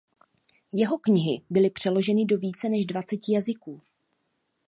Jeho knihy byly přeloženy do více než dvaceti jazyků.